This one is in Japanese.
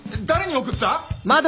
誰に送った？